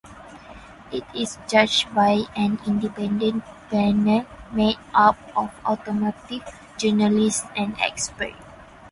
It is judged by an independent panel made up of automotive journalists and experts.